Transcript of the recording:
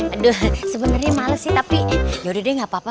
aduh sebenernya males sih tapi yaudah deh gak papa